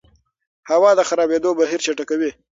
هوا د خرابېدو بهیر چټکوي.